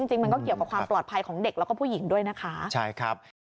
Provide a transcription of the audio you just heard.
จริงมันก็เกี่ยวกับความปลอดภัยของเด็กแล้วก็ผู้หญิงด้วยนะคะใช่ครับ